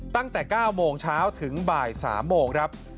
ตั้งแต่๙โมงเช้าถึงบ่าย๓โมงครับ